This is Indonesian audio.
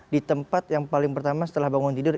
di tempat yang paling pertama setelah bangun tidur